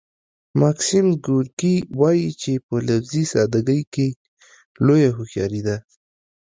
ماکسیم ګورکي وايي چې په لفظي ساده ګۍ کې لویه هوښیاري ده